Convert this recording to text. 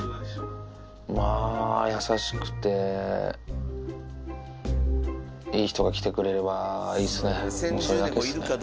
まあ、優しくて、いい人が来てくれればいいですね、もうそれだけっすね。